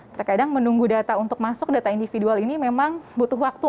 terkadang menunggu data untuk masuk data individual ini memang butuh waktu